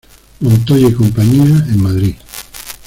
Montoya y Compañía, en Madrid.